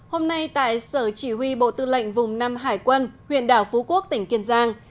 hôm nay tại sở chỉ huy bộ tư lệnh vùng năm hải quân huyện đảo phú quốc tỉnh kiên giang